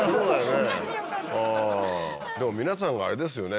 でも皆さんがあれですよね